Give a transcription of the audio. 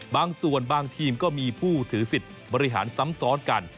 บางส่วนบางทีมก็มีผู้ถือสิทธิ์บริหารซ้ำซ้อนกัน